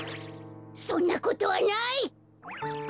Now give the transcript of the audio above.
そんなことはない！